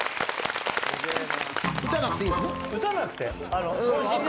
打たなくていいの？